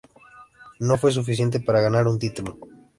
No fue suficiente para ganar un título.